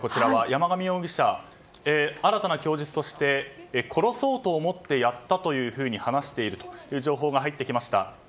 山上容疑者、新たな供述として殺そうと思ってやったというふうに話しているという情報が入ってきました。